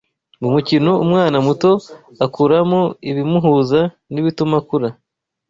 Mu mukino umwana muto akuramo ibimuhuza n’ibituma akura